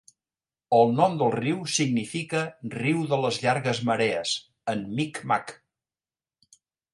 El nom del riu significa "riu de les llargues marees" en Mi'kmaq.